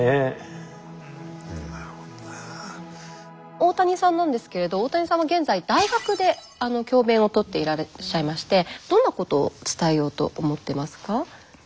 大谷さんなんですけれど大谷さんは現在大学で教べんをとっていらっしゃいましてどんなことを伝えようと思ってますか。